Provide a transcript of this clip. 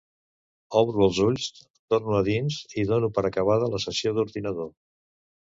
Obro els ulls, torno a dins i dono per acabada la sessió d'ordinador.